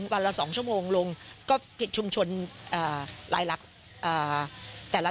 วันละ๒ชั่วโมงลงก็ผิดชุมชนรายลักษณ์